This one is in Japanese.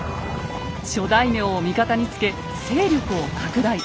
諸大名を味方につけ勢力を拡大。